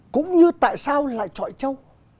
cũng như tại sao lại trọi trâu